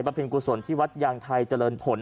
เพลงกุศลที่วัดยางไทยเจริญผล